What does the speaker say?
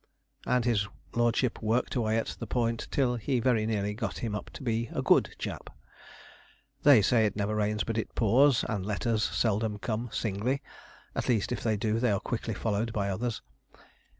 And his lordship worked away at the point till he very nearly got him up to be a good chap. They say it never rains but it pours, and letters seldom come singly; at least, if they do they are quickly followed by others.